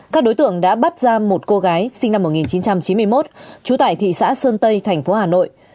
các đối tượng đã bắt ra một cô gái sinh năm một nghìn chín trăm chín mươi một trú tại thị xã sơn tây thành phố hà nội